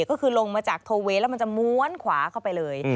ก็คือลงมาจากโทเวย์แล้วมันจะม้วนขวาเข้าไปเลย